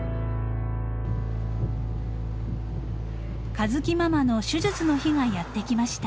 ［佳月ママの手術の日がやってきました］